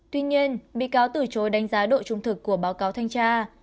tuy nhiên bị cáo từ chối đánh giá độ trung thực của báo cáo thanh tra